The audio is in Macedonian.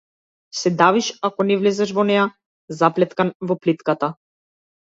Се давиш ако не влезеш во неа, заплеткан во плитката.